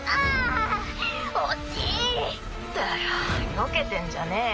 よけてんじゃねぇよ。